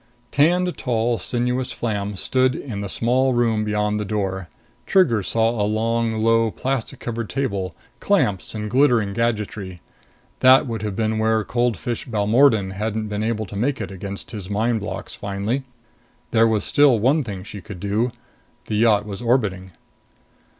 Tanned, tall, sinuous Flam stood in the small room beyond the door. Trigger saw a long, low, plastic covered table, clamps and glittering gadgetry. That would have been where cold fish Balmordan hadn't been able to make it against his mind blocks finally. There was still one thing she could do. The yacht was orbiting.